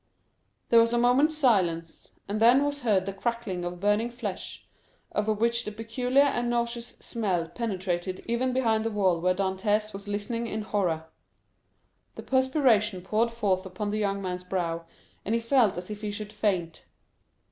There was a moment's silence, and then was heard the crackling of burning flesh, of which the peculiar and nauseous smell penetrated even behind the wall where Dantès was listening in horror. The perspiration poured forth upon the young man's brow, and he felt as if he should faint.